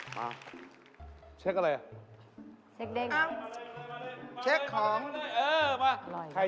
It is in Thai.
มาเช็คอะไร